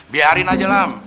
biarin aja lam